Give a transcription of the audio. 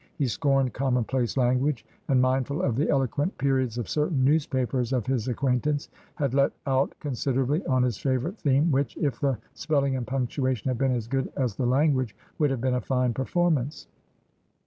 He scorned commonplace language, and, mindful of the eloquent periods of certain newspapers of his acquaintance, had "let out" considerably on his favourite theme, which, if the spelling and punctuation had been as good as the language, would have been a fine performance.